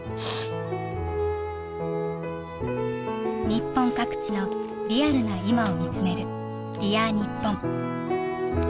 日本各地のリアルな今を見つめる「Ｄｅａｒにっぽん」。